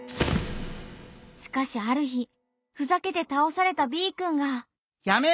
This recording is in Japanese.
しかしある日ふざけて倒されたＢくんが。